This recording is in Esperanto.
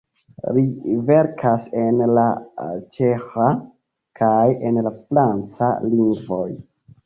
Li verkas en la ĉeĥa kaj en la franca lingvoj.